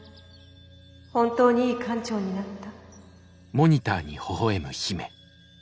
本当にいい艦長になった。